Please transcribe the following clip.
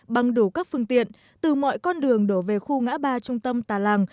bằng đủ các phương tiện từ mọi con đường đổ về khu ngã ba trung tâm tà làng